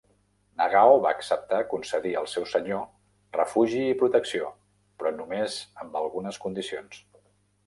Nagao va acceptar concedir al seu senyor refugi i protecció, però només amb algunes condicions.